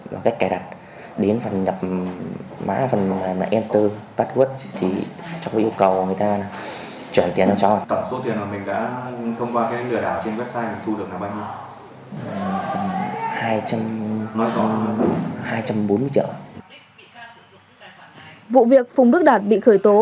vụ việc phùng đức đạt bị khởi tố